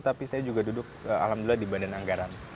tapi saya juga duduk alhamdulillah di badan anggaran